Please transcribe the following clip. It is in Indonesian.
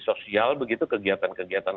sosial begitu kegiatan kegiatan